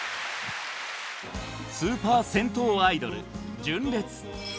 スーパー銭湯アイドル、純烈。